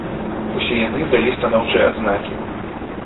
Усе яны далі станоўчыя адзнакі.